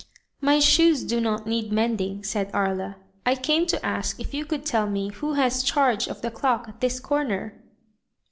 '* "My shoes do not need mending," said Aria. "I came to ask if you could tell me who has charge of the clock at this comer.